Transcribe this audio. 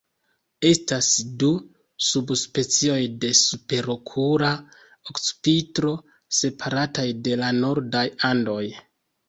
Estas du subspecioj de Superokula akcipitro, separataj de la nordaj Andoj.